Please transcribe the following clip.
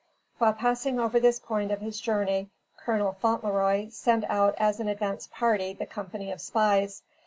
While passing over this point of his journey, Col. Fauntleroy sent out as an advance party the company of spies.